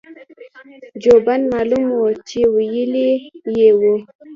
جوبن معلوم وو چې وييلي يې وو-